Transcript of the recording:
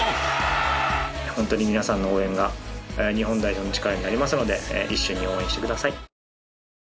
ホントに皆さんの応援が日本代表の力になりますので一緒に応援してください。